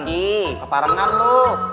ke parangan lo